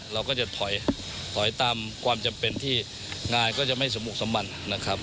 เราก็จะถอยตามความจำเป็นที่งานก็จะไม่สมบุกสมบันนะครับ